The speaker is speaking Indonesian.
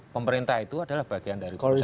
pemerintah itu adalah bagian dari proses politik